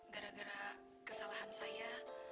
gara gara kesalahan saya